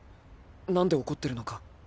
何で怒ってるのか。